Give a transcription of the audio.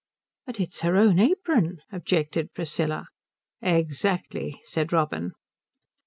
"But it's her own apron," objected Priscilla. "Exactly," said Robin.